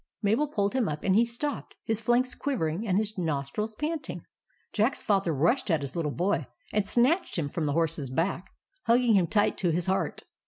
Mabel pulled him up, and he stopped, his flanks quivering and his nostrils panting. THE RESCUE OF JACK 223 Jack's Father rushed at his little boy, and snatched him from the horse's back, hug ging him tight to his heart.